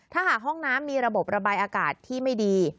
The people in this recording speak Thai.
ถ้าหากห้องน้ำมีระบบระบายอากาศที่ไม่ดี